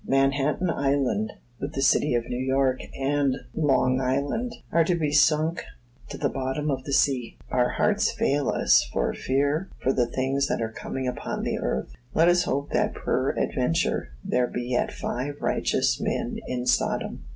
Manhattan Island, with the city of New York, and Long Island, are to be sunk to the bottom of the sea. Our hearts fail us for fear for the things that are coming upon the earth. Let us hope that peradventure there be yet five righteous men in Sodom.